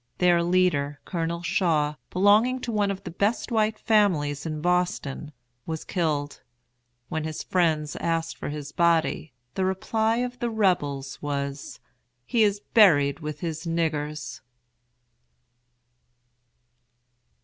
Their leader, COLONEL SHAW, belonging to one of the best white families in Boston, was killed. When his friends asked for his body, the reply of the Rebels was, "He is buried with his niggers."